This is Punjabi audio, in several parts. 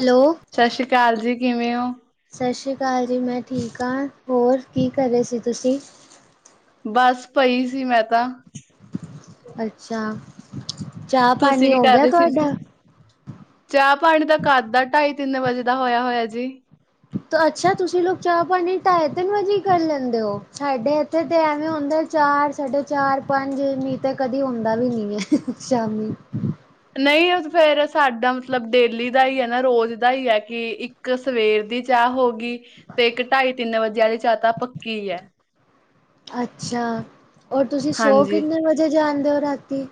ਹੈਲੋ ਸਤਿ ਸ਼੍ਰੀ ਅਕਾਲ ਜੀ ਕਿਵੇਂ ਹੋ? ਸਤਿ ਸ਼੍ਰੀ ਅਕਾਲ ਜੀ ਮੈਂ ਠੀਕ ਹਾਂ। ਹੋਰ ਕੀ ਕਰ ਰਹੇ ਸੀ ਤੁਸੀਂ? ਬਸ, ਪਈ ਸੀ ਮੈਂ ਤਾਂ ਅੱਛਾ, ਚਾ ਤੁਸੀਂ ਪਾਣੀ ਹੋ ਗਿਆ ਤੁਆਡਾ? ਚਾ-ਪਾਣੀ ਤਾ ਕੱਦ ਦਾ ਢਾਈ-ਤਿੰਨ ਵਜੇ ਦਾ ਹੋਇਆ ਹੋਇਆ ਜੀ। ਅੱਛਾ, ਤੁਸੀਂ ਲੋਗ ਚਾਹ-ਪਾਣੀ ਢਾਈ-ਤਿੰਨ ਵਜੇ ਈ ਕਰ ਲੈਂਦੇ ਓ? ਸਾਡੇ ਏਥ ਥੇ ਤੇ ਐਵੇਂ ਹੁੰਦਾ ਐ ਚਾਰ, ਸਾਢੇ ਚਾਰ, ਪੰਜ ਨਈ ਤੇ ਕਦੀ ਹੋਂਦਾ ਵੀ ਨਈ ਏ ਸ਼ਾਮੀ। ਨਈ ਓ ਤੇ ਫੇਰ ਸਾਡਾ ਮਤਲਬ ਡੇਲੀ ਦਾ ਈ ਏ ਨਾ ਰੋਜ਼ ਦਾ ਈ ਐ ਕਿ ਇੱਕ ਕ ਸਵੇਰ ਦੀ ਚਾਹ ਹੋ ਗਈ ਤੇ ਇੱਕ ਢਾਈ-ਤਿੰਨ ਵਜੇ ਵਾਲੀ ਚਾਹ ਤਾਂ ਪੱਕੀ ਐ। ਅੱਛਾ, ਔਰ ਤੁਸੀਂ ਸੋ ਹਾਂਜੀ। ਕਿੰਨੇ ਵਜੇ ਜਾਂਦੇ ਓ ਰਾਤੀ?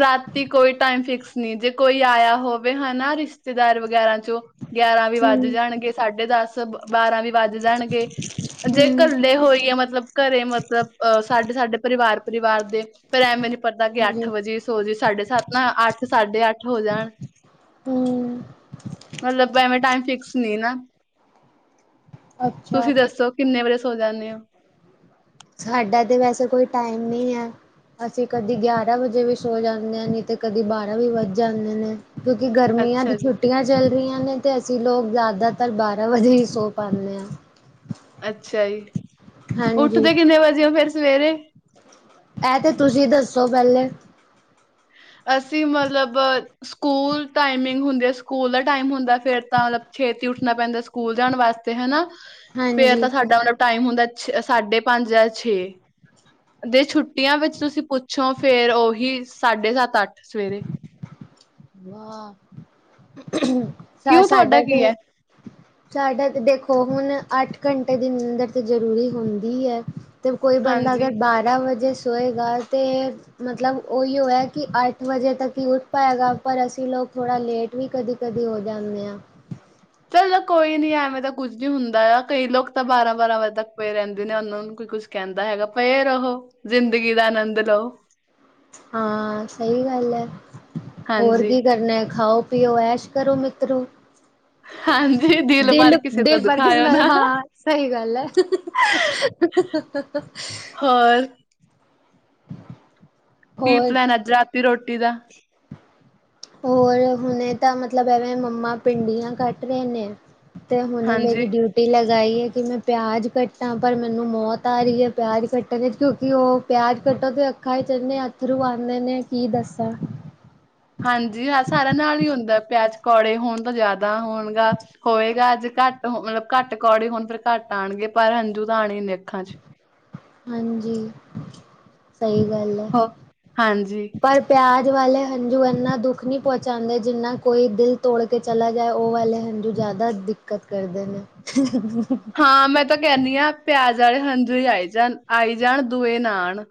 ਰਾਤੀ ਕੋਈ ਟਾਈਮ ਫਿਕਸ ਨੀ ਜੇ ਕੋਈ ਆਇਆ ਹੋਵੇ ਹਨਾ ਰਿਸ਼ਤੇਦਾਰ ਵਗੈਰਾ ਚੋਂ ਗਿਆਰਾਂ ਵੀ ਵੱਜ ਹਮ ਜਾਣਗੇ ਸਾਢੇ ਦਸ ਬਾਰਾਂ ਵੀ ਵੱਜ ਜਾਣਗੇ। ਜੇ ਹਮ ਕੱਲੇ ਹੋਇਏ ਮਤਲਬ ਘਰੇ ਮਤਲਬ ਅ ਸਾਡੇ ਸਾਡੇ ਪਰਿਵਾਰ ਪਰਿਵਾਰ ਦੇ ਪਰ ਐਂਵੇ ਨੀ ਪਤਾ ਕਿ ਅੱਠ ਹਮ ਜੇ ਸੋ ਜੀਏ ਸਾਢੇ ਸੱਤ ਨਾ ਅੱਠ ਸਾਢੇ ਅੱਠ ਨਾ ਹੋ ਜਾਣ ਹੁੰ ਮਲਬ, ਐਂਵੇ ਟਾਈਮ ਫਿਕਸ ਨਈ ਨਾ ਅੱਛਾ ਤੁਸੀਂ ਦੱਸੋ? ਕਿੰਨੇ ਵਜੇ ਸੌ ਜਾਨੇ ਓ? ਸਾਡਾ ਤੇ ਵੈਸੇ ਕੋਈ ਟਾਈਮ ਨਈ ਐ। ਅਸੀਂ ਕਦੀ ਗਿਆਰਾਂ ਵਜੇ ਵੀ ਸੌਂ ਜਾਂਦੇ ਆਂ ਨਈ ਤੇ ਕਦੀ ਬਾਰਾਂ ਵੀ ਵੱਜ ਜਾਂਦੇ ਨੇ। ਕਿਉਂਕਿ ਗਰਮੀਆਂ ਦੀ ਅੱਛਾ ਜੀ ਛੁੱਟੀਆਂ ਚ ਚੱਲ ਰੀਂਆਂ ਨੇ ਅਸੀਂ ਲੋਗ ਜ਼ਿਆਦਾਤਰ ਬਾਰਾਂ ਵਜੇ ਈ ਸੌਂ ਪਾਨੇ ਆਂ। ਅੱਛਾ ਜੀ, ਹਾਂਜੀ ਉੱਠਦੇ ਕਿੰਨੇ ਵਜੇ ਓ? ਫੇਰ ਸਵੇਰੇ? ਐ ਤੇ ਤੁਸੀਂ ਦੱਸੋ? ਪੈਲੇ। ਅਸੀਂ, ਮੱਲਬ ਸਕੂਲ ਟਾਈਮਿੰਗ ਹੁੰਦੀ ਆ ਸਕੂਲ ਦਾ ਟਾਈਮ ਹੁੰਦਾ ਫੇਰ ਤਾਂ ਛੇਤੀ ਉੱਠਣਾ ਪੈਂਦੈ। ਸਕੂਲ ਜਾਣ ਵਾਸਤੇ ਹਨਾ ਫੇਰ ਹਾਂਜੀ ਤਾਂ ਸਾਡਾ ਮਲਬ ਟਾਈਮ ਹੁੰਦਾ ਐ ਸਾਢੇ ਪੰਜ ਜਾਂ ਛੇ। ਜੇ ਛੁੱਟੀਆਂ ਵਿਚ ਤੁਸੀਂ ਪੁੱਛੋਂ ਫੇਰ ਓਹੀ ਸਾਢੇ ਸੱਤ, ਅੱਠ ਸਵੇਰੇ। ਵਾਹ ਸਾ ਕਿਉਂ ਤੁਹਾਡਾ ਸਾਡਾ ਕੀ ਤੇ ਐ? ਸਾਡਾ ਤੇ ਦੇਖੋ ਹੁਣ ਅੱਠ ਘੰਟੇ ਦੀ ਨੀਂਦਰ ਤੇ ਜ਼ਰੂਰੀ ਹੁੰਦੀ ਹੈ। ਤੇ ਕੋਈ ਬੰਦਾ ਹਾਂਜੀ। ਅਗਰ ਬਾਰ ਰਾਂ ਵਜੇ ਸੋਏਗਾ ਤੇ ਮਤਲਬ ਓਈਔ ਐ ਕਿ ਅੱਠ ਵਜੇ ਤੱਕ ਹੀ ਉਠ ਪਾਏਗਾ ਪਰ ਅਸੀਂ ਲੋਕ ਥੋੜਾ ਲੇਟ ਵੀ ਕਦੀ, ਕਦੀ ਹੋ ਜਾਨੇ ਆਂ। ਚਲੋ ਕੋਈ ਨੀ ਐਵੇਂ ਤਾਂ ਕੁੱਝ ਵੀ ਹੁੰਦਾ ਆ ਕਈ ਲੋਕ ਤਾਂ ਬਾਰਾਂ, ਬਾਰਾਂ ਵਜੇ ਤੱਕ ਪਏ ਰੈਂਦੇ ਨੇ ਓਨਾਂ ਨੂੰ ਕੋਈ ਕੁਛ ਕੈਂਦਾ ਹੈਗਾ ਪਏ ਰਹੋ, ਜ਼ਿੰਦਗੀ ਦਾ ਆਨੰਦ ਲਓ। ਹਾਂ ਸਈ ਗੱਲ ਐ ਹੋਰ ਹਾਂਜੀ, ਕੀ ਕਰਨੈ ਖਾਓ ਪਿਓ ਐਸ਼ ਕਰੋ ਮਿੱਤਰੋਂ ਹਾਂਜੀ। ਭਰ ਦਿਲ, ਕਿਸੇ ਦਾ ਦਿਲ ਪਰ ਕਿਸੇ ਦੁਖਾਇਓ ਨਾਲ ਨਾ ਹਾਂ ਸਈ ਗੱਲ ਐ। ਹ, ਹ, ਹ, ਹ, ਹ। ਹੋਰ? ਕੀ ਹੋਰ ਪਲੈਨ ਅੱਜ ਰਾਤੀ ਰੋਟੀ ਦਾ? ਹੋਰ ਹੁਣੇ ਤਾਂ ਮਤਲਬ ਐਵੇਂ ਮੰਮਾ ਭਿੰਡੀਆਂ ਕੱਟ ਰਏ ਨੇ। ਤੇ ਹੁਣੇ ਮੇਰੀ ਹਾਂਜੀ। ਡਿਊ ਟੀ ਲਗਾਈ ਏ ਕਿ ਮੈਂ ਪਿਆਜ਼ ਕੱਟਾਂ ਪਰ ਮੈਨੂੰ ਮੌਤ ਆ ਰੀ ਏ ਪਿਆਜ਼ ਕੱਟਣ ਇਚ ਕਿਉਂਕਿ ਓ ਪਿਆਜ ਕੱਟੋ ਤੇ ਅੱਖਾਂ ਚ ਇਨੇ ਅੱਥਰੂ ਆਂਦੇ ਨੇ ਕੀ ਦੱਸਾਂ। ਹਾਂਜੀ ਹਾ ਸਾਰਿਆ ਨਾਲ ਈ ਹੁੰਦਾ ਪਿਆਜ ਕੌੜੇ ਹੋਣ ਤਾ ਜ਼ਿਆਦ ਨਾ ਹੋਣਗਾ ਹੋਏਗਾ ਅੱਜ ਘੱਟ ਮਤਲਬ ਘੱਟ ਕੌੜੇ ਹੁਣ ਫਿਰ ਘੱਟ ਆਣਗੇ ਪਰ ਹੰਜੂ ਤਾਂ ਆਣੇ ਨੇ ਅੱਖਾਂ ਚ ਹਾਂਜੀ, ਸਹੀ ਗੱਲ ਐ। ਹੋ ਹਾਂਜੀ। ਪਰ ਪਿਆਜ ਵਾਲੇ ਹੰਝੂ ਇੰਨਾ ਦੁੱਖ ਨਹੀਂ ਪਹੁੰਚਾਦੇ ਜਿੰਨਾ ਕੋਈ ਦਿਲ ਤੋੜ ਕੇ ਚਲਾ ਜਾਏ ਉਹ ਵਾਲੇ ਹੰਝੂ ਜ਼ਿਆਦਾ ਦਿੱਕਤ ਕਰਦੇ ਨੇ। ਹਾਂ ਮੈਂ ਤਾਂ ਕਹਨੀ ਹਾਂ ਪਿਆਜ ਵਾਲੇ ਹੰਜੂ ਹੀ ਆਈ ਜਾਣ, ਆਈ ਜਾਣ ਦੂਏ ਨਾ ਆਣ।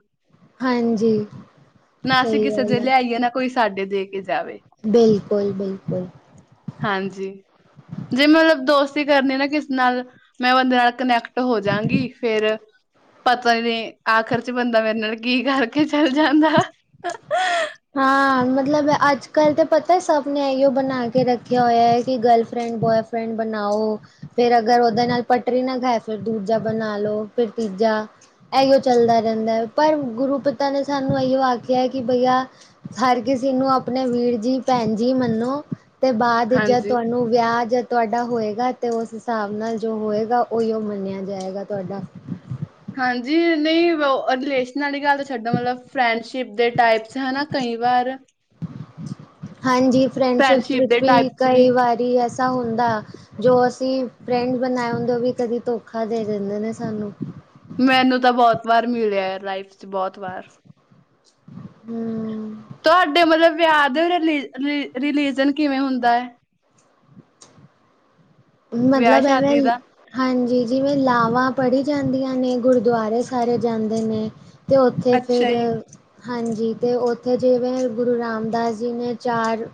ਹਾਂਜੀ। ਨਾ ਅਸੀਂ ਸਹੀ ਕਿਸੇ ਗੱਲ ਦੇ ਹੈ ਲਿਆਈਏ ਨਾ ਕੋਈ ਸਾਡੇ ਦੇ ਕੇ ਜਾਵੇ। ਬਿਲਕੁਲ, ਬਿਲਕੁਲ। ਹਾਂਜੀ, ਜੇ ਮਤਲਬ ਦੋਸਤੀ ਕਰਨੀ ਨਾ ਕਿਸੇ ਨਾਲ ਮੈਂ ਬੰਦੇ ਨਾਲ ਕਨੈਕਟ ਹੋ ਜਾਗੀ ਫੇਰ ਪਤਾ ਨੀ ਆਖਰ ਚ ਬੰਦਾ ਮੇਰੇ ਨਾਲ ਕੀ ਕਰਕੇ ਚੱਲ ਜਾਂਦਾ। ਹਾਂ, ਮਤਲਬ ਅੱਜ ਕੱਲ੍ਹ ਤਾਂ ਪਤਾ ਸਭ ਨੇ ਇਓ ਬਣਾ ਕੇ ਰੱਖਿਆ ਹੋਇਐ ਕਿ ਗਰਲਫਰੈਂਡ ਬੋਆਏ ਫ੍ਰੈਂਡ ਬਣਾਓ ਫਿਰ ਅਗਰ ਉਹਦੇ ਨਾਲ ਪਟਰੀ ਨਾ ਖਾਏ ਫਿਰ ਦੂਜਾ ਬਣਾ ਲਓ, ਫਿਰ ਤੀਜਾ ਇਓ ਚੱਲਦਾ ਰਹਿੰਦੈ ਪਰ ਗੁਰੂ ਪਿਤਾ ਨੇ ਸਾਨੂੰ ਇਹੀ ਔ ਆਖਿਆ ਕਿ ਭਈਆ ਹਰ ਕਿਸੀ ਨੂੰ ਆਪਣੇ ਵੀਰ ਜੀ ਭੈਣ ਜੀ ਮੰਨੋ ਤੇ ਬਾਅਦ ਵਿਚ ਜਦ ਹਾਂਜੀ। ਤੁਹਾਨੂੰ ਵਿਆਹ ਜ ਤੁਹਾਡਾ ਹੋਏਗਾ, ਅਤੇ ਉਸ ਹਿਸਾਬ ਨਾਲ ਜੋ ਹੋਏਗਾ ਉਹੀਓ ਮੰਨਿਆ ਜਾਏਗਾ ਤੁਹਾਡਾ ਹਾਂਜੀ ਨਹੀਂ ਵੋ ਅਗਲੇ ਨਾਲੀ ਗੱਲ ਛਡੋ ਮਤਲਬ ਫਰੈਂਡਸ਼ਿਪ ਦੇ ਟਾਈਪਸ ਹੈਨਾ ਕਈ ਵਾਰ ਹਾਂਜੀ, ਫਰੈਂਡਸ਼ਿਪ ਵਿੱਚ ਦੇ ਟਾਈਪ ਵੀ ਚ ਕਈ ਵਾਰੀ ਐਸਾ ਹੁੰਦਾ। ਜੋ ਅਸੀਂ ਫਰੈਂਡ ਬਣਾਏ ਹੁੰਦੇ ਉਹ ਵੀ ਕਦੀ ਧੋਖਾ ਦੇ ਦਿੰਦੇ ਨੇ ਸਾਨੂੰ। ਮੈਨੂੰ ਤਾਂ ਬਹੁਤ ਵਾਰ ਮਿਲਿਐ ਲਾਈਫ ਚ, ਬਹੁਤ ਵਾਰ ਹੂੰ। ਤੁਹਾਡੇ ਮਤਲਬ ਵਿਆਹ ਦੇ ਰਿਲੀਜਨ ਕਿਵੇਂ ਹੁੰਦੈ। ਵਿਆਹ ਮਤਲਬ ਸ਼ਾਦੀ ਐਵੇਂ ਦਾ। ਹਾਂਜੀ, ਜਿਵੇਂ ਲਾਵਾਂ ਪੜ੍ਹੀ ਜਾਂਦੀਆਂ ਨੇ ਗੁਰਦੁਆਰੇ ਸਾਰੇ ਜਾਂਦੇ ਨੇ। ਤੇ ਉੱਥੇ ਫਿਰ ਅੱਛਾ ਜੀ। ਹਾਂਜੀ, ਤੇ ਉੱਥੇ ਜਿਵੇਂ ਗੁਰੂ ਰਾਮਦਾਸ ਜੀ ਨੇ ਚਾਰ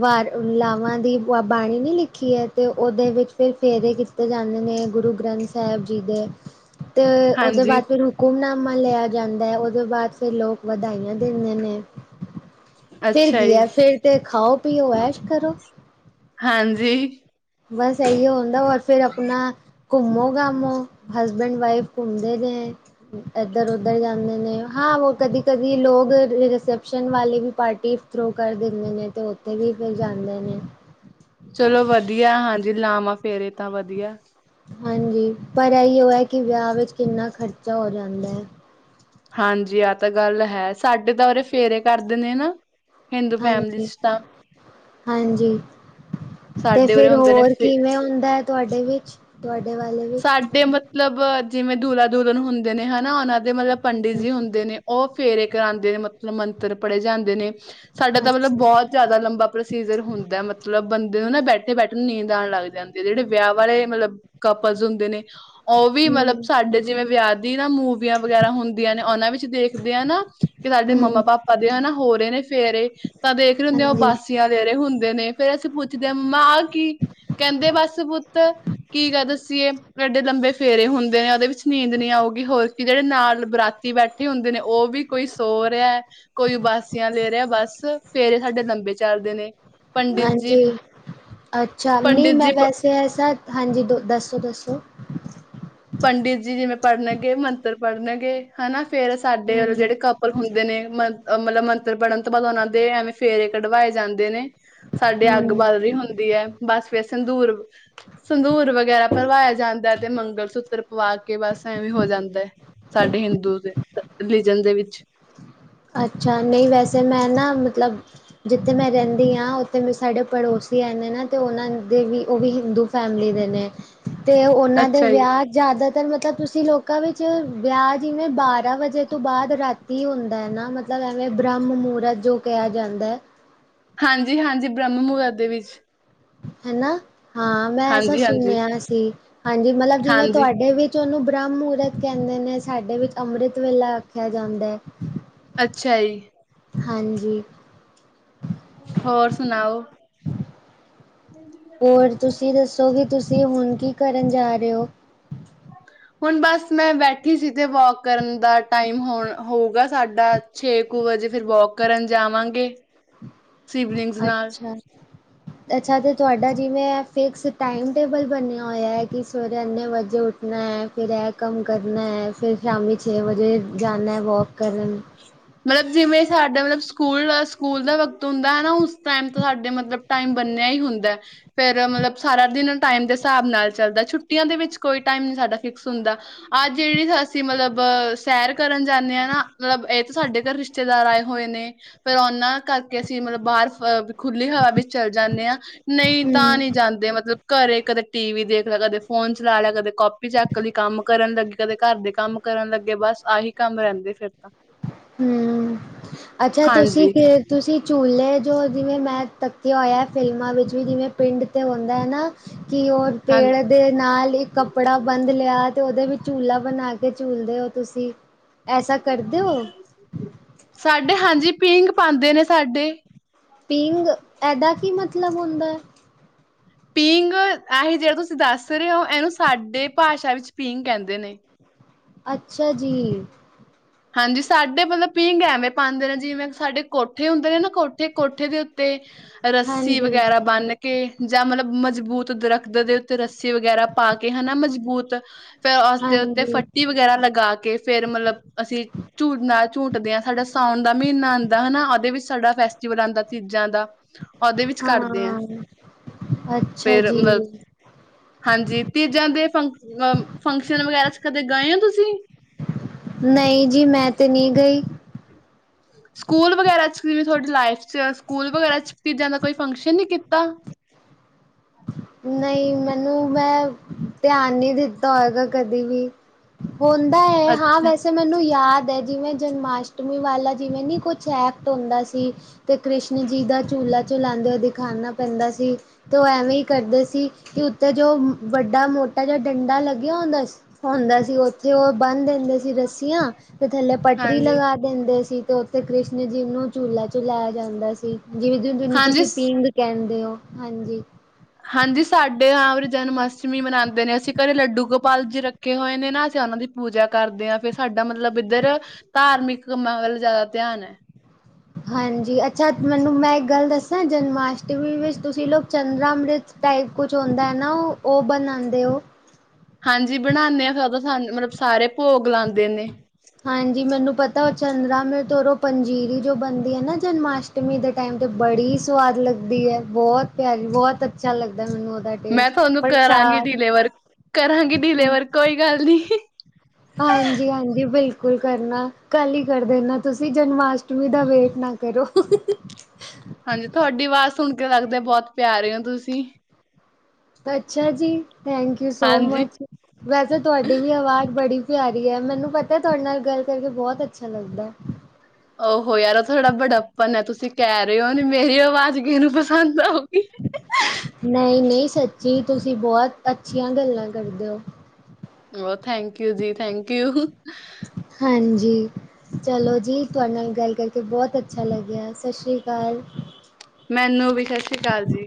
ਵਾਰ ਲਾਵਾਂ ਦੀ ਬਾਣੀ ਨੀ ਲਿਖੀ ਏ ਤੇ ਉਹਦੇ ਵਿੱਚ ਫਿਰ ਫੇਰੇ ਕੀਤੇ ਜਾਂਦੇ ਨੇ, ਗੁਰੂ ਗ੍ਰੰਥ ਸਾਹਿਬ ਜੀ ਦੇ। ਤੇ ਉਹਦੇ ਹਾਂਜੀ, ਬਾਅਦ ਫਿਰ ਹੁਕਮਨਾਮਾ ਲਿਆ ਜਾਂਦਾ ਹੈ, ਉਹਦੇ ਬਾਅਦ ਫਿਰ ਲੋਕ ਵਧਾਈਆਂ ਦਿੰਦੇ ਨੇ। ਫਿਰ ਅੱਛਾ ਕੀ ਹੈ ਜੀ, ਫਿਰ ਤੇ ਖਾਓ ਪੀਓ ਐਸ਼ ਕਰੋ। ਹਾਂਜੀ। ਬਸ ਇਹੀ ਹੁੰਦਾ ਔਰ ਫਿਰ ਆਪਣਾ। ਘੁੰਮੋ ਘਾਮੋ ਹਸਬੈਂਡ ਵਾਈਫ ਘੁੰਮਦੇ ਨੇ। ਏਧਰ ਉਧਰ ਜਾਂਦੇ ਨੇ, ਹਾਂ ਉਹ ਕਦੀ ਕਦੀ ਲੋਕ ਰਿਸੈਪਸ਼ਨ ਵਾਲੀ ਵੀ ਪਾਰਟੀ। ਥਰੂ ਕਰ ਦਿੰਦੇ ਨੇ ਤੇ ਉੱਥੇ ਵੀ ਫਿਰ ਜਾਂਦੇ ਨੇ ਚਲੋ ਵਧੀਆ, ਹਾਂਜੀ ਲਾਵਾਂ ਫੇਰੇ ਤਾਂ ਵਧੀਆ। ਹਾਂਜੀ ਪਰ ਇਹੀ ਉਹ ਹੈ ਕਿ ਵਿਆਹ ਵਿੱਚ ਕਿੰਨਾ ਖਰਚਾ ਹੋ ਜਾਂਦਾ ਹੈ। ਹਾਂਜੀ ਆਹ ਤਾਂ ਗੱਲ ਹੈ ਸਾਡੇ ਤਾਂ ਉਰੇ ਫੇਰੇ ਕਰਦੇ ਨੇ ਨਾ। ਹਿੰਦੂ ਫੈਮਿਲੀ ਹਾਂਜੀ, ਚ ਤਾਂ। ਹਾਂਜੀ। ਤੇ ਸਾਡੇ ਉਰੇ ਫਿਰ ਹੁੰਦੇ ਨੇ ਹੋਰ ਫੇ ਕਿਵੇਂ ਹੁੰਦਾ ਹੈ, ਤੁਹਾਡੇ ਵਿੱਚ ਤੁਹਾਡੇ ਵਾਲੇ। ਵਿੱਚ ਸਾਡੇ ਮਤਲਬ ਜਿਵੇਂ ਦੁਲਾ ਦੁਲਨ ਹੁੰਦੇ ਨੇ ਹਨਾ, ਉਹਨਾਂ ਦੇ ਮਤਲਬ ਪੰਡਿਤ ਹੂੰ, ਜੀ ਹੁੰਦੇ ਨੇ। ਉਹ ਫੇਰੇ ਕਰਾਉਂਦੇ ਨੇ ਮਤਲਬ ਮੰਤਰ ਪੜ੍ਹੇ ਜਾਂਦੇ ਨੇ, ਸਾਡਾ ਤਾਂ ਮਤਲਬ ਅੱਛਾ ਬਹੁਤ ਜ਼ਿਆਦਾ ਲੰਬਾ ਪ੍ਰੋਸੀਜਰ ਹੁੰਦਾ, ਮਤਲਬ ਬੰਦੇ ਨੂੰ ਨਾ ਬੈਠੇ ਬੈਠੇ ਨੂੰ ਨੀਂਦ ਆਉਣ ਲੱਗ ਜਾਂਦੀ ਹੈ, ਜਿਹੜੇ ਵਿਆਹ ਵਾਲੇ ਮਤਲਬ ਫਜ਼ ਹੁੰਦੇ ਨੇ ਉਹ ਵੀ ਮਤਲਬ ਹਮ ਸਾਡੇ ਜਿਵੇਂ ਵਿਆਹ ਦੀ ਨਾ ਮੂਵੀਆਂ ਵਗੈਰਾ ਹੁੰਦੀਆਂ ਨੇ, ਉਹਨਾਂ ਵਿੱਚ ਦੇਖਦੇ ਆ ਨਾ ਕਿ ਸਾਡੇ ਮੰਮਾ ਪਾਪਾ ਦੇ ਹਨ ਨਾ, ਹੋ ਰਹੇ ਨੇ ਫੇਰ ਇਹ ਤਾਂ ਦੇਖ ਰਹੇ ਹੁੰਦੇ ਆ ਉਹ ਹਾਂਜੀ ਬਾਸੀਆਂ ਦੇ ਰਹੇ ਹੁੰਦੇ ਨੇ, ਫੇਰ ਅਸੀਂ ਪੁੱਛਦੇ ਹਾਂ ਮਾਂ ਆਹ ਕੀ ਕਹਿੰਦੇ ਬਸ ਪੁੱਤ, ਕੀ ਕਰ ਦ ਅਸੀਂ ਇਹ ਐਡੇ ਲੰਬੇ ਫੇਰੇ ਹੁੰਦੇ ਨੇ, ਉਹਦੇ ਵਿੱਚ ਨੀਂਦ ਨਹੀਂੀ ਆਊਗੀ ਹੋਰ ਕੀ, ਜਿਹੜੇ ਨਾਲ ਬਰਾਤੀ ਬੈਠੇ ਹੁੰਦੇ ਨੇ, ਉਹ ਵੀ ਕੋਈ ਸੋ ਰਿਹਾ ਕੋਈ ਉਬਾਸੀਆਂ ਲੈ ਰਿਹਾ ਬਸ, ਫੇਰੇ ਸਾਡੇ ਲੰਬੇ ਚੱਲਦੇ ਨੇ। ਪੰਡਿਤ ਜੀ ਹਾਂਜੀ, ਅੱਛਾ ਨਹੀਂ ਪੰਡਿਤ ਮੈਂ ਜੀ ਵੈਸੇ ਐ, ਸਰ ਹਾਂਜੀ ਦੋ ਦੱਸੋ ਦੱਸੋ ਪੰਡਿਤ ਜੀ ਜਿਵੇਂ ਪੜ੍ਹਨਗੇ ਮੰਤਰ ਪੜ੍ਹਨਗੇ ਹਨਾ, ਫੇਿਰ ਸਾਡੇ ਵੱਲੋਂ ਹਮ ਜਿਹੜੇ ਕ ਉ ਹੁੰਦੇ ਨੇ ਮਤਲਬ, ਮੰਤਰ ਪੜ੍ਹਨ ਤੋਂ ਬਾਅਦ ਉਹਨਾਂ ਦੇ ਐਵੇਂ ਫੇਰੇ ਕਢਵਾਏ ਜਾਂਦੇ ਨੇ ਸਾਡੇ ਅੱਗ ਹਮ ਬਲ ਰਹੀ ਹੁੰਦੀ ਹੈ। ਬਸ ਫੇਿਰ ਸੰਦੂਰ, ਸੰਧੂਰ ਵਗੈਰਾ ਭਰਵਾਇਆ ਜਾਂਦਾ ਤੇ ਮੰਗਲ ਸੂਤਰ ਤਪਵਾ ਕੇ ਬਸ ਐ ਵੀ ਹੋ ਜਾਂਦਾ ਹੈ ਸਾਡੇ ਹਿੰਦੂ ਦੇ, ਰਿਲੀਜਨ ਦੇ ਵਿੱਚ। ਅੱਛਾ, ਨਹੀਂ ਵੈਸੇ ਮੈਂ ਨਾ ਮਤਲਬ ਜਿੱਥੇ ਮੈਂ ਰਹਿੰਦੀ ਹਾਂ ਉੱਥੇ ਮੇਰੇ ਸਾਡੇ ਪੜੋਸੀ ਆਉਂਦੇ ਨਾ, ਤੇ ਉਹਨਾਂ ਦੇ ਵੀ ਉਹ ਵੀ ਹਿੰਦੂ ਫੈਮਲੀ ਦੇ ਨੇ, ਤੇ ਉਹਨਾਂ ਦੇ ਅੱਛਾ ਜੀ ਵਿਆਹ ਜ਼ਿਆਦਾਤਰ ਮਤਲਬ ਤੁਸੀਂ ਲੋਕਾਂ ਵਿੱਚ ਵਿਆਹ, ਜਿਵੇਂ ਬਾਰ੍ਹਾਂ ਵਜੇ ਤੋਂ ਬਾਅਦ ਰਾਤੀ ਹੁੰ ਹੈ ਨਾ ਮਤਲਬ ਐਵੇਂ ਬ੍ਰਹਮ ਮਹੂਰਤ, ਜੋ ਕਿਹਾ ਜਾਂਦਾ। ਹਾਂਜੀ ਹਾਂਜੀ, ਬ੍ਰਹਮ ਮੁਹੂਰਤ ਦੇ ਵਿੱਚ। ਹਨਾ, ਹਾਂ ਮੈਂ ਐਸਾ ਹਾਂਜੀ ਹਾਂਜੀ ਸੁਣਿਆ ਸੀ, ਹਾਂਜੀ ਮਤਲਬ ਜਿਵੇਂ ਹਾਂਜੀ ਤੁਹਾਡੇ ਵਿੱਚ ਉਹਨੂੰ ਬ੍ਰਹਮ ਮੁਹੂਰਤ ਕਹਿੰਦੇ ਨੇ, ਸਾਡੇ ਵਿੱਚ ਅੰਮ੍ਰਿਤ ਵੇਲਾ ਆਖਿਆ ਜਾਂਦਾ ਹੈ। ਅੱਛਾ ਜੀ। ਹਾਂਜੀ। ਹੋਰ ਸੁਣਾਓ? ਹੋਰ ਤੁਸੀਂ ਦੱਸੋ, ਕਿ ਤੁਸੀਂ ਹੁਣ ਕੀ ਕਰਨ ਜਾ ਰਹੇ ਹੋ? ਹੁਣ ਬਸ ਮੈਂ ਬੈਠੀ ਸੀ, ਤੇ ਵੋਕ ਕਰਨ ਦਾ ਟਾਈਮ ਹੋਣ ਹੋਊਗਾ। ਸਾਡਾ ਛੇ ਕੁ ਵਜੇ, ਫਿਰ ਵੋਕ ਕਰਨ ਜਾਵਾਂਗੇ। ਸਿਵਲਿੰਗਸ ਨਾਲ ਅੱਛਾ। ਅੱਛਾ ਤੇ ਤੁਹਾਡਾ ਜਿਵੇਂ, ਫਿਕਸ ਟਾਈਮ ਟੇਬਲ ਬਣਿਆ ਹੋਇਆ ਹੈ ਕਿ ਸਵੇਰੇ ਇੰਨੇ ਵਜੇ ਉਠ ਠ ਹੈ, ਫਿਰ ਇਹ ਕੰਮ ਕਰਨਾ ਹੈ, ਫਿਰ ਸ਼ਾਮੀ ਛੇ ਵਜੇ ਜਾਣਾ ਹੈ ਵੋਕ ਕਰਨ। ਮਤਲਬ ਜਿਵੇਂ ਸਾਡਾ ਮਤਲਬ ਸਕੂਲ, ਸਕੂਲ ਦਾ ਵਕਤ ਹੁੰਦਾ ਹੈ ਨਾ ਉਸ ਟਾਈਮ ਤੋਂ ਸਾਡੇ ਮਤਲਬ ਟਾਈਮ ਬੰਨਿਆ ਹੀ ਹੁੰਦਾ। ਫੇਰ ਮਤਲਬ ਸਾਰਾ ਦਿਨ ਟਾਈਮ ਦੇ ਹਿਸਾਬ ਨਾਲ ਚੱਲਦਾ, ਛੁੱਟੀਆਂ ਦੇ ਵਿੱਚ ਕੋਈ ਟਾਈਮ ਨਈ ਸਾਡਾ ਫਿਕਸ ਹੁੰਦਾ ਅੱਜ ਅਸੀ ਮਤਲਬ, ਸੈਰ ਕਰਨ ਜਾਂਣੇ ਆ ਨਾ ਮਤਲਬ ਸਾਡੇ ਘਰ ਰਿਸ਼ਤੇਦਾਰ ਆਏ ਹੋਏ ਨੇ, ਫੇਰ ਉਹਨਾਂ ਕਰਕੇ ਅਸੀ ਮਤਲਬ ਬਾਹਰ ਖੁੱਲੀ ਹਵਾ ਵਿੱਚ ਚੱਲ ਜਾਂਨੇ ਹਾਂ, ਨਹੀਂ ਤਾਂ ਹੂੰ। ਨਹੀ ਜਾਂਦੇ ਮਤਲਬ ਘਰੇ ਕਦੇ ਟੀ ਵੀ ਦੇਖ ਲਿਆ, ਕਦੇ ਫੋਨ ਚਲਾ ਲਿਆ, ਕਦੇ ਕਾਪੀ ਚੈੱਕ ਲਈ ਕੰਮ ਕਰਨ ਲੱਗੀ, ਕਦੇ ਘਰ ਦੇ ਕੰਮ ਕਰਨ ਲੱਗੇ, ਬਸ ਆਹੀ ਕੰਮ ਰਹਿੰਦੇ ਫਿਰ ਤਾਂ। ਹਮ, ਅੱਛਾ ਤੁਸੀਂ ਹਾਂਜੀ। ਫੇਰ ਤੁਸੀਂ ਝੂਲੇ ਜੋ ਜਿਵੇਂ ਮੈਂ ਤਕਿਆ ਹੋਇਆ ਫਿਲਮਾਂ ਵਿੱਚ ਵੀ, ਜਿਵੇਂ ਪਿੰਡ ਤੇ ਹੁੰਦਾ ਹੈ ਨਾ ਕਿ ਉਹ ਹਾਂ ਪੇੜ ਦੇ ਨਾਲ ਇੱਕ ਕੱਪੜਾ ਬੰਦ ਲਿਆ, ਤੇ ਉਹਦੇ ਵਿੱਚ ਝੂਲਾ ਬਣਾ ਕੇ ਝੂਲਦੇ ਹੋ ਤੁਸੀ। ਐਸਾ ਕਰ ਦੇ ਔ? ਸਾਡੇ ਹਾਂਜੀ, ਪੀਂਘ ਪਾਂਦੇ ਨੇ ਸਾਡੇ ਪੀਂਗ, ਏਹਦਾ ਕੀ ਮਤਲਬ ਹੁੰਦਾ? ਪੀਂਗ, ਏਹੀ ਜਿਹੜਾ ਤੁਸੀਂ ਦੱਸ ਰਹੇ ਹੋ, ਇਹਨੂੰ ਸਾਡੇ ਭਾਸ਼ਾ ਵਿੱਚ ਪੀਂਗ ਕਹਿੰਦੇ ਨੇ। ਅੱਛਾ ਜੀ। ਹਾਂਜੀ ਸਾਡੇ ਮਤਲਬ ਪੀਂਗ ਐਵੇਂ ਪਾਉਂਦੇ ਨੇ, ਜਿਵੇਂ ਸਾਡੇ ਕੋਠੇ ਹੁੰਦੇ ਨੇ ਨਾ ਕੋਠੇ, ਕੋਠੇ ਦੇ ਉੱਤੇ ਰੱਸੀ ਹਾਂਜੀ, ਵਗੈਰਾ ਬੰਨ ਕੇ ਜਾਂ ਮਤਲਬ ਮਜ਼ਬੂਤ ਦਰਖਤ ਦੇ ਉੱਤੇ, ਰੱਸੀ ਵਗੈਰਾ ਪਾ ਕੇ ਹੈਨਾ ਮਜ਼ਬੂਤ ਫੇਰ ਉਸਦੇ ਉੱਤੇ ਹਾਂਜੀ, ਫੱਟੀ ਵਗੈਰਾ ਲਗਾ ਕੇ, ਫੇਰ ਮਤਲਬ ਅਸੀ ਝੂਲਨਾ ਝੂਟਦੇ ਆ, ਸਾਡਾ ਸਾਉਣ ਦਾ ਮਹੀਨਾ ਆਉਂਦਾ ਹੈਨਾ, ਉਹਦੇ ਵਿੱਚ ਸਾਡਾ ਫੈਸਟੀਵਲ ਆਉਂਦਾ ਤੀਜਾਂ ਦਾ ਉਹਦੇ ਵਿੱਚ ਕਰਦੇ ਹਾਂ, ਅੱਛਾ ਫੇਰ ਜੀ, ਮ ਹਾਂਜੀ, ਤੀਜਾਂ ਦੇ ਫੰ ਅ ਫੰਕਸ਼ਨ ਵਗੈਰਾ 'ਚ ਕਦੇ ਗਏ ਹੋ ਤੁਸੀ? ਨਹੀਂ ਜੀ, ਮੈਂ ਤੇ ਨਹੀ ਗਈ। ਸਕੂਲ ਵਗੈਰਾ 'ਚ, ਜਿਵੇਂ ਤੁਹਾਡੀ ਲਾਈਫ 'ਚ, ਸਕੂਲ ਵਗੈਰਾ 'ਚ, ਤੀਂਜ਼ਾਂ ਦਾ ਕੋਈ ਫੰਕਸ਼ਨ ਨਹੀਂ ਕੀਤਾ? ਨਹੀਂ ਮੈਨੂੰ ਮੈਂ, ਧਿਆਨ ਨਹੀ ਦਿੱਤਾ ਹੋਏਗਾ ਕਦੀ ਵੀ ਹੁੰਦਾ ਹੈ, ਹਾਂ ਅੱਛਾ ਵੈਸੇ ਮੈਨੂੰ ਯਾਦ ਹੈ, ਜਿਵੇਂ ਜਨਮਾਸ਼ਟਮੀ ਵਾਲਾ, ਜਿਵੇਂ ਨਹੀ ਕੁਛ ਐਕਟ ਹੁੰਦਾ ਸੀ। ਤੇ ਕ੍ਰਿਸ਼ਨ ਜੀ ਦਾ ਝੂਲਾ ਝਲਾਉਂਦੇ ਹੋਏ, ਦਿਖਾਨਾ ਪੈਂਦਾ ਸੀ। ਤੇ ਉਹ ਐਵੇਂ ਹੀ ਕਰਦੇ ਸੀ, ਕਿ ਉੱਤੇੇ ਜੋ ਵੱਡਾ ਮੋਟਾ ਜਿਹਾ ਡੰਡਾ ਲੱਗਿਆ ਹੁੰਦਾ ਸੀ ਹੋਂਦਾ ਸੀ, ਉੱਥੇ ਉਹ ਬੰਨ ਦਿੰਦੇ ਸੀ ਰੱਸੀਆਂ ਤੇ ਥੱਲੇ ਪੱਟਰੀ ਹਾਂਜੀ, ਲਗਾ ਦਿੰਦੇ ਸੀ ਤੇ ਉੱਥੇ ਕ੍ਰਿਸ਼ਨ ਜੀ ਨੂੰ ਝੂਲਾ ਝੂਲਾਇਆ ਜਾਂਦਾ ਸੀ, ਜਿਵੇਂ ਜਿਹਨੂੰ ਹਾਂਜੀ ਤੁਸੀ ਪੀਂਗ ਕਹਿੰਦੇ ਹੋ, ਹਾਂਜੀ। ਹਾਂਜੀ ਸਾਡੇ ਆ ਵਰੀ ਜਨਮ ਅਸ਼ਟਮੀ ਮਨਾਉਂਦੇ ਨੇ, ਅਸੀਂ ਘਰੇ ਲੱਡੂ ਗੋਪਾਲ ਜੀ ਰੱਖੇ ਹੋਏ ਨੇ ਨਾ, ਅਸੀਂ ਉਹਨਾਂ ਦੀ ਪੂਜਾ ਕਰਦੇ ਹਾਂ, ਏ ਫੇਰ ਸਾਡਾ ਮਤਲਬ ਇੱਧਰ ਧਾਰਮਿਕ ਕੰਮਾਂ ਵੱਲ ਜ਼ਿਆਦਾ ਧਿਆਨ ਹੈ। ਹਾਂਜੀ, ਅੱਛਾ ਮੈਨੂੰ ਮੈਂ ਇੱਕ ਗੱਲ ਦੱਸਾਂ, ਜਨਮਾਸ਼ਟਮੀ ਵਿੱਚ ਤੁਸੀਂ ਲੋਕ ਚੰਦਰਾ ਅਮ੍ਰਿਤ ਟਾਈਪ ਕੁਛ ਹੁੰਦਾ ਹੈ ਨਾ, ਉਹ ਉਹ ਬਨਾਦੇ ਹੋ। ਹਾਂਜੀ ਬਣਾਨੇ ਹਾਂ, ਫੇਰ ਸਾਨੂੰ ਮਤਲਬ ਸਾਰੇ ਭੋਗ ਲਾਂਦੇ ਨੇ। ਹਾਂਜੀ ਮੈਨੂੰ ਪਤਾ, ਉਹ ਚੰਦਰਾ ਅਮਿ੍ਤ ਔਰ ੳਹ ਪੰਜੀਰੀ ਜੋ ਬਣਦੀ ਹੈ ਨਾ ਜਨਮਾਸ਼ਟਮੀ ਟਮੀ ਦੇ ਟਾਈਮ ਤੇ ਬੜੀ ਸਵਾਦ ਲੱਗਦੀ ਹੈ, ਬਹੁਤ ਪਿਆਰੀ, ਬਹੁਤ ਅੱਛਾ ਲੱਗਦਾ ਮੈਨੂੰ ਉਹਦਾ ਮੈਂ ਟੇਸਟ ਤੁਹਾਨੂੰ ਕਰਾਂਗੀ ਪ੍ਰਸ਼ਾਦ ਡਿਲੇਵਰ, ਕਰਾਂਗੀ ਡਿਲੇਵਰ, ਕੋਈ ਗੱਲ ਨਹੀ। ਹਾਂਜੀ ਹਾਂਜੀ ਬਿਲਕੁਲ ਕਰਨਾ, ਕੱਲ ਹੀ ਕਰ ਦੇਣਾ, ਤੁਸੀ ਜਨਮਾਸ਼ਟਮੀ ਦਾ ਵੇਟ ਨਾ ਕਰੋ ਹਾਂਜੀ ਤੁਹਾਡੀ ਆਵਾਜ਼ ਸੁਣ ਕੇ ਲੱਗਦਾ, ਬਹੁਤ ਪਿਆਰੇ ਔਂ ਤੁਸੀ। ਅੱਛਾ ਜੀ, ਥੈਂਕ ਯੂ ਸੋ ਹਾਂਜੀ। ਮਚ। ਵੈਸੇ ਤੁਹਾਡੀ ਵੀ ਆਵਾਜ਼ ਬੜੀ ਪਿਆਰੀ ਹੈ। ਮੈਨੂੰ ਪਤਾ, ਤੁਹਾਡੇ ਨਾਲ ਗੱਲ ਕਰਕੇ ਬਹੁਤ ਅੱਛਾ ਲੱਗਦਾ। ਉਹਹ ਯਾਰ ਤੁਹਾਡਾ ਬੜੱਪਨ ਹੈ, ਤੁਸੀਂ ਕਹ ਰਹੇ ਹੋ, ਨਹੀ ਮੇਰੀ ਆਵਾਜ਼ ਕਿਹਨੂੰ ਪਸੰਦ ਆਓ। ਨਹੀ ਨਹੀ ਸੱਚੀ, ਤੁਸੀਂ ਬਹੁਤ ਅੱਛੀਆਂ ਗੱਲਾਂ ਕਰਦੇ ਔ। ਉਹ ਥੈਂਕ ਯੂ ਜੀ, ਥੈਂਕ ਯੂ। ਹਾਂਜੀ। ਚਲੋ ਜੀ, ਤੁਹਾਡੇ ਨਾਲ ਗੱਲ ਕਰਕੇ ਬਹੁਤ ਅੱਛਾ ਲੱਗਿਆ, ਸਤਿ ਸ਼੍ਰੀ ਅਕਾਲ। ਮੈਨੂੰ ਵੀ, ਸਤਿ ਸ਼੍ਰੀ ਅਕਾਲ ਜੀ।